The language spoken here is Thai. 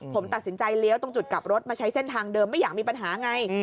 ผมตัดสินใจเลี้ยวตรงจุดกลับรถมาใช้เส้นทางเดิมไม่อยากมีปัญหาไง